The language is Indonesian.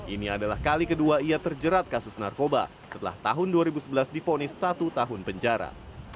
ini adalah kali kedua ia terjerat kasus narkoba setelah tahun dua ribu sebelas difonis satu tahun penjara